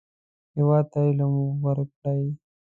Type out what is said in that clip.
هېواد ته علم ورکړئ